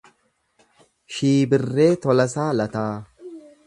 Shiibirree Tolasaa Lataa